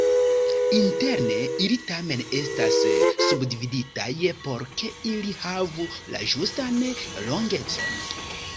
Interne ili tamen estas subdividitaj, por ke ili havu la ĝustan longecon.